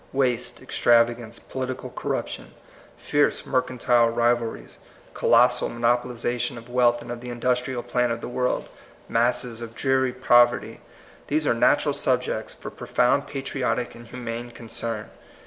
Waste, extravagance, political corruption, fierce mercantile rivalries, colossal monopolization of wealth and of the industrial plant of the world, masses of dreary poverty, — these are natural subjects for profound patriotic and humane concern.